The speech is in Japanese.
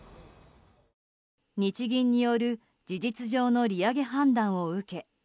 日銀による事実上の利上げ判断を受け